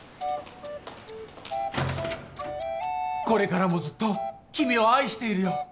これからもずっと君を愛しているよ。